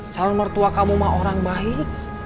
calon mertua kamu mah orang baik